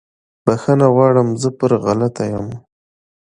بخښنه غواړم زه پر غلطه یم